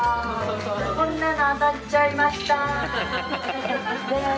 こんなの当たっちゃいましたー。